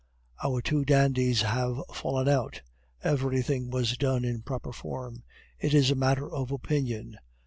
"Our two dandies have fallen out. Everything was done in proper form. It is a matter of opinion.